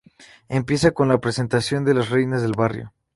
Empiezan con la presentación de las Reinas del Barrio.